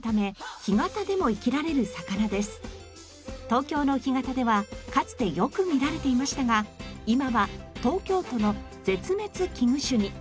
東京の干潟ではかつてよく見られていましたが今は東京都の絶滅危惧種に。